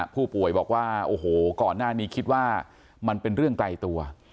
ผู้ป่วยบอกว่าโอ้โหก่อนหน้านี้คิดว่ามันเป็นเรื่องไกลตัว